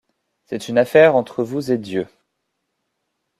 C’est une affaire entre vous et Dieu.